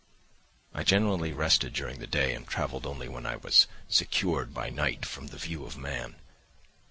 "I generally rested during the day and travelled only when I was secured by night from the view of man.